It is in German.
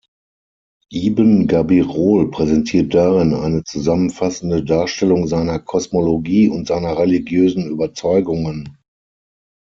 Ibn Gabirol präsentiert darin eine zusammenfassende Darstellung seiner Kosmologie und seiner religiösen Überzeugungen.